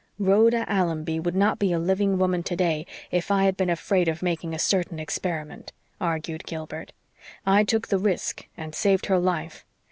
"Rhoda Allonby would not be a living woman today if I had been afraid of making a certain experiment," argued Gilbert. "I took the risk and saved her life."